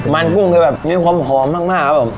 มันกลูงมีความหอมมาก